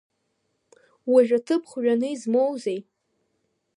Уажә аҭыԥ хҩаны измоузеи?